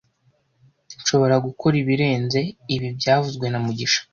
Nshobora gukora ibirenze ibi byavuzwe na mugisha